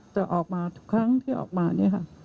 จะออกมาทุกครั้งที่ออกมาเนี่ยค่ะ